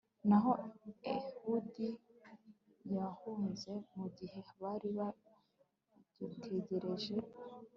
naho ehudi yahunze mu gihe bari bagitegereje